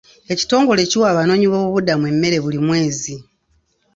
Ekitongole kiwa abanoonyi b'obubuddamu emmere buli mwezi.